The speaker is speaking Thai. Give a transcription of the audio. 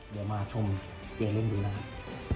เดี๋ยวมาชมเกมเล่นดูนะครับ